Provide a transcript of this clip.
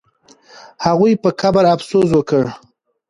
هغوی په قبر افسوس وکړ.